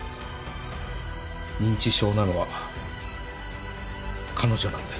認知症なのは彼女なんです。